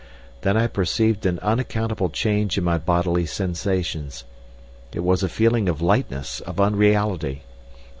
Then I perceived an unaccountable change in my bodily sensations. It was a feeling of lightness, of unreality.